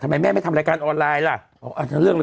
ทำไมแม่ไม่ทำรายการออนไลน์ล่ะว่าเกิดอะไร